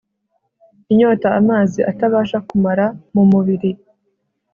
inyota amazi atabasha kumara mu mubiri